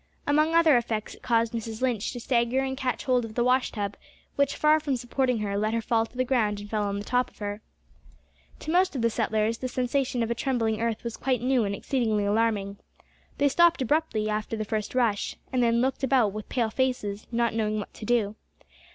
Among other effects it caused Mrs Lynch to stagger and catch hold of the washtub, which, far from supporting her, let her fall to the ground, and fell on the top of her. To most of the settlers the sensation of a trembling earth was quite new and exceedingly alarming. They stopped abruptly after the first rush, and then looked about with pale faces, not knowing what to do.